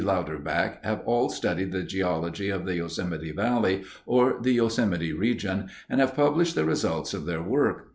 Louderback have all studied the geology of the Yosemite Valley or the Yosemite region and have published the results of their work.